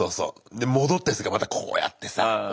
で戻ったりするからまたこうやってさ。